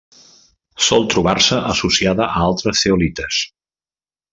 Sol trobar-se associada a altres zeolites.